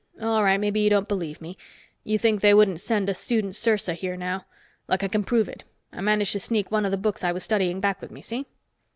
All right, maybe you don't believe me you think they wouldn't send a student sersa here now. Look, I can prove it. I managed to sneak one of the books I was studying back with me. See?"